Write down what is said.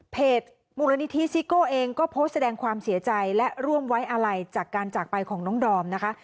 มูลนิธิซิโก้เองก็โพสต์แสดงความเสียใจและร่วมไว้อะไรจากการจากไปของน้องดอมนะคะ